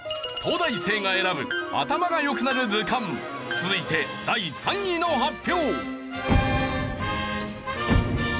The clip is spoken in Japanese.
続いて第３位の発表。